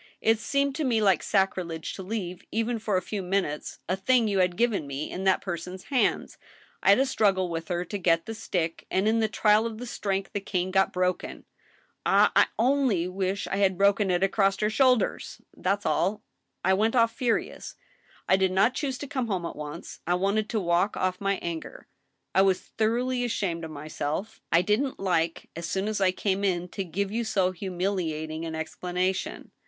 It seemed to me like sacrilege to leave, even for a few min utes, a thing you had given me, in that person's hands. ... I had a struggle with her to get the stick, and in the trial of strength the cane got broken. Ah ! I only wish I had broken it across her shoul ders I That's all. I went off furious. I did not choose to come home at once. I wanted to walk off my anger. I was thoroughly ashamed of myself. I didn't like, as soon as I came in, to give you so humiliating an explanation.